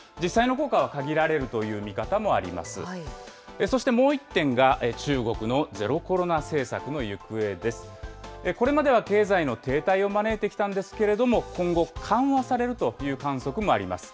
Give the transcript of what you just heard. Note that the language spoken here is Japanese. これまでは経済の停滞を招いてきたんですけれども、今後、緩和されるという観測もあります。